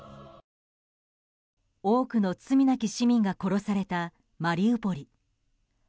多くの罪なき市民が殺されたマリウポリ。